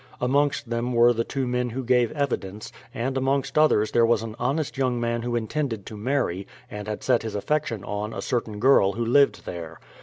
Amongst them were the two men who gave evidence ; and amongst others there was an honest young man who intended to marry, and had set his affection on a certain girl who lived there.